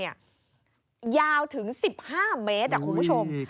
ยาวถึง๑๕เมตรคุณผู้ชม